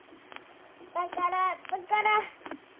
だからだから。